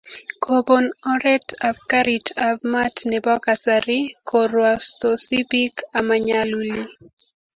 kobon oret ab garit ab mat nebo kasari ko rwaostoi piik amanyaluli